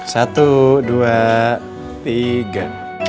satu dua tiga